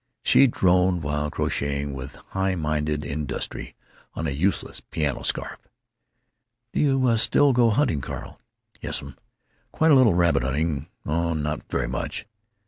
She droned, while crocheting with high minded industry a useless piano scarf, "Do you still go hunting, Carl?" "Yessum. Quite a little rabbit hunting. Oh, not very much."